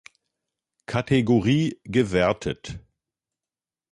Kategorie gewertet.